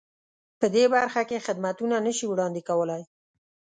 په دې برخه کې خدمتونه نه شي وړاندې کولای.